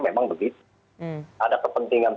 memang begitu ada kepentingan